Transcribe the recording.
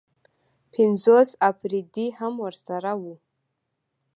پنځوس اپرېدي هم ورسره وو.